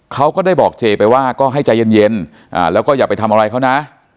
เขาก็ได้บอกเจไปว่าก็ให้ใจเย็นแล้วก็อย่าไปทำอะไรเขานะ